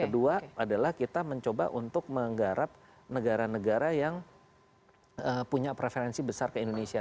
kedua adalah kita mencoba untuk menggarap negara negara yang punya preferensi besar ke indonesia